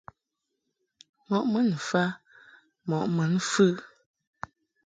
Mɔʼ mun mfa mɔʼ mun mfɨ.